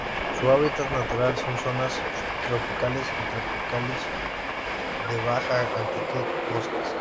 Su hábitat natural son: zonas subtropicales o tropicales de baja altitud, bosques.